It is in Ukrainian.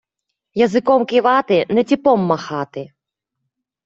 Язиком кивати, не ціпом махати.